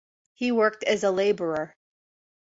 He worked as a laborer.